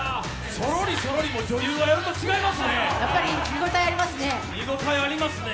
そろりそろりも女優がやると違いますね。